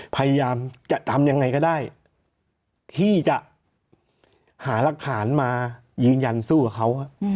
พยายามจะทำยังไงก็ได้ที่จะหารักฐานมายืนยันสู้กับเขา